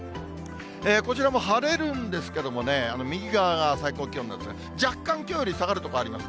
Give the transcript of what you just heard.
こちらも晴れるんですけどもね、右側が最高気温なんですが、若干きょうより下がる所あります。